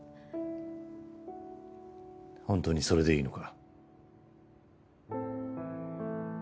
本当にそれでいいのか？